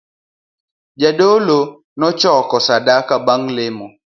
Jadolo nochoko sadaka bang' lemo